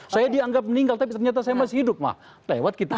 saya dianggap meninggal tapi ternyata saya masih hidup mah lewat gitu